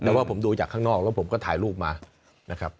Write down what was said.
แต่ว่าผมดูจากข้างนอกแล้วผมก็ถ่ายรูปมานะครับ